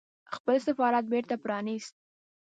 خپل سفارت بېرته پرانيست